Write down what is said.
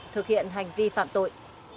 thực hiện hành vi phạm tội